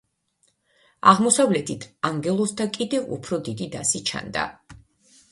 აღმოსავლეთით ანგელოზთა კიდევ უფრო დიდი დასი ჩანდა.